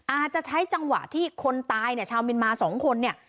อาจจะใช้จังหวะที่คนตายชาวมีนมาสองคนนี่